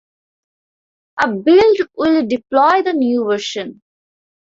A build will deploy the new version